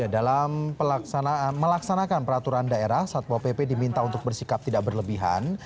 dalam melaksanakan peraturan daerah satpo pp diminta untuk bersikap tidak berlebihan